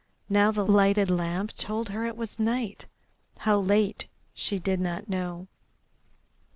Now the lighted lamp told her it was night. How late she did not know.